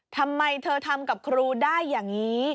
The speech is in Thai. ทำไมเธอทำกับครูได้อย่างนี้